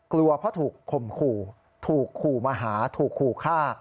กลัวเพราะถูกข่มขู่ถูกขู่มาหาถูกขู่ฆ่า